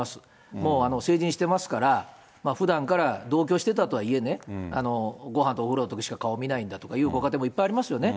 もう成人してますから、ふだんから同居してたとはいえね、ごはんとお風呂のときしか顔見ないとかいうご家庭もいっぱいありますよね。